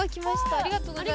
ありがとうございます。